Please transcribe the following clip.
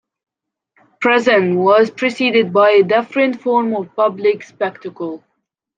Prison was preceded by a different form of public spectacle.